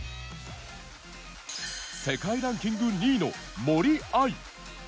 世界ランキング２位の森秋彩。